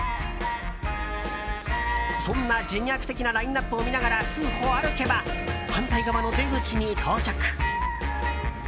そんな自虐的なラインアップを見ながら数歩、歩けば反対側の出口に到着。